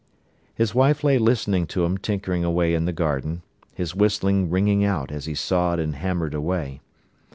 His wife lay listening to him tinkering away in the garden, his whistling ringing out as he sawed and hammered away.